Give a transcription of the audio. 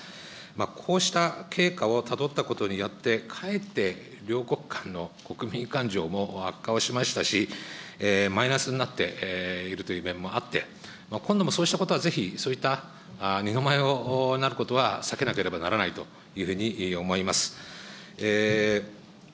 こうした経過をたどったことによって、かえって両国間の国民感情も悪化をしましたし、マイナスになっているという面もあって、今度もそうしたことはぜひそういった二の舞になることは避けなければならないと思います。